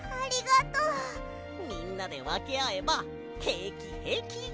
みんなでわけあえばへいきへいき！